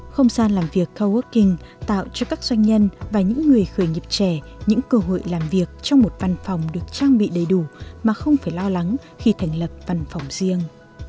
không gian làm việc coworking tạo cho các doanh nhân và những người khởi nghiệp trẻ những cơ hội làm việc trong một văn phòng được trang bị đầy đủ mà không phải lo lắng khi thành lập văn phòng riêng